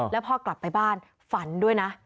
แล้วพอกลับไปบ้านฝันด้วยนะ